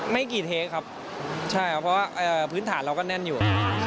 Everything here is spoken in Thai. ไม่กี่เทคครับใช่ครับเพราะว่าพื้นฐานเราก็แน่นอยู่